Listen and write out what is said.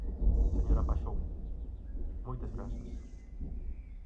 Señora Paxón, moitas grazas.